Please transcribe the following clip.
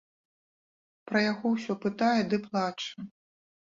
Пра яго ўсё пытае ды плача.